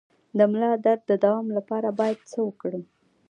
د ملا درد د دوام لپاره باید څه وکړم؟